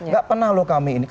gak pernah loh kami ini